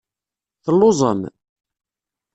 Telluẓem?